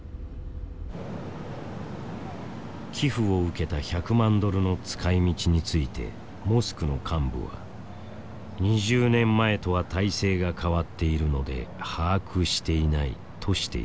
寄付を受けた１００万ドルの使いみちについてモスクの幹部は「２０年前とは体制が変わっているので把握していない」としている。